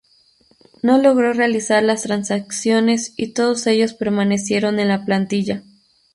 No logró realizar las transacciones y todos ellos permanecieron en la plantilla.